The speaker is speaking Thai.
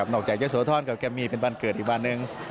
นอกจากเจ้าสวทรศ์กับแก่มีเป็นบ้านเกิดอีกบ้านหนึ่ง